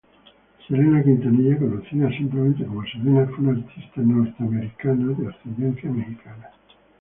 Selena Quintanilla, conocida simplemente como "Selena", fue una artista americana de ascendencia Mexicana.